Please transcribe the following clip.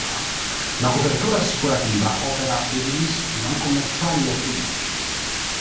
La copertura assicurativa opera per i rischi "non commerciali o politici".